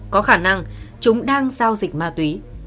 có khả năng chúng đang giao dịch ma túy